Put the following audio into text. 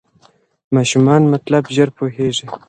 ماشومان مطلب ژر پوهېږي.